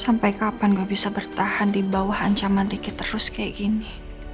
sampai kapan gue bisa bertahan di bawah ancaman dikit terus kayak gini